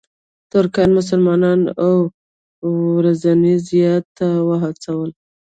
ترکانو مسلمانان اوو ورځني زیارت ته وهڅول.